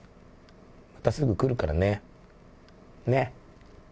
またすぐ来るからね。ね。